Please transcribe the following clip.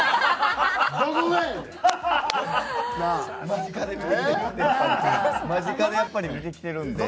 間近でやっぱり見てきてるんで。